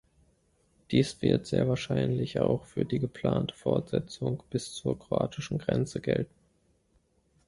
Dies wird sehr wahrscheinlich auch für die geplante Fortsetzung bis zur kroatischen Grenze gelten.